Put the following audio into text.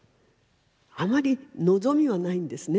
あまり望みはないんですね。